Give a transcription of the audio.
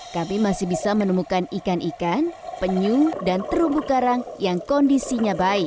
kami masih bisa menemukan ikan ikan penyu dan terumbu karang yang kondisinya baik